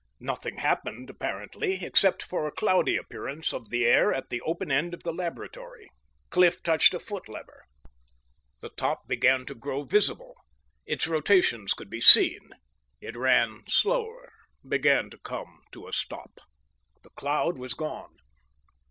Nothing happened apparently, except for a cloudy appearance of the air at the open end of the laboratory. Cliff touched a foot lever. The top began to grow visible, its rotations could be seen; it ran slower, began to come to a stop. The cloud was gone.